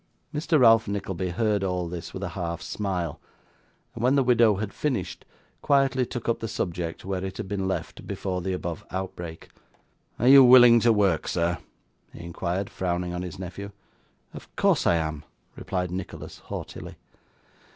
Mr. Ralph Nickleby heard all this with a half smile; and when the widow had finished, quietly took up the subject where it had been left before the above outbreak. 'Are you willing to work, sir?' he inquired, frowning on his nephew. 'Of course I am,' replied Nicholas haughtily.